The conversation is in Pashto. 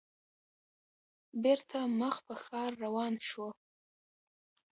بېرته مخ په ښار روان شوو.